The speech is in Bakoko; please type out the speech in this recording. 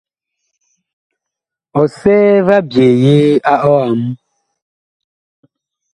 Ɔsɛɛ va ɓyeye a ɔam.